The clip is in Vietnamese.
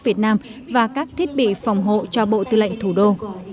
và các thiết bị phòng hộ cho bộ tư lệnh thủ đô